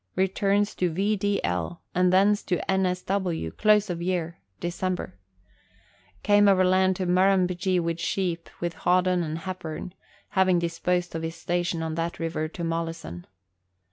Returns to V. D. L., and thence to N. S. W. close of year December. Came overland from Murrumbidgee with sheep with Hawdon and Hepburn, having disposed of his station on that river to Mollison.